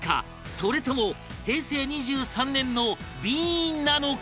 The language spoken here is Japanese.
それとも平成２３年のＢなのか？